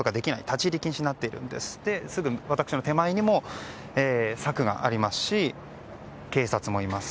立ち入り禁止になっていてすぐ私の手前にも柵がありますし警察もいます。